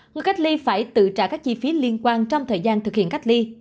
người cách ly phải tự trả các chi phí liên quan trong thời gian thực hiện cách ly